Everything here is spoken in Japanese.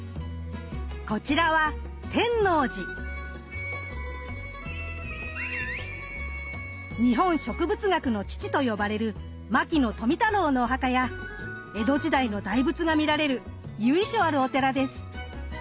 こちらは日本植物学の父と呼ばれる牧野富太郎のお墓や江戸時代の大仏が見られる由緒あるお寺です。